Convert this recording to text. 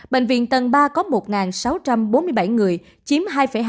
bệnh viện tầng ba có một sáu trăm bốn mươi bảy người chiếm hai hai